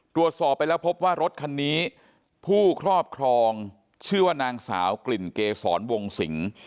ตรวจสอบไปแล้วพบว่ารถคันนี้ผู้ครอบครองชื่อว่านางสาวกลิ่นเกษรวงสิง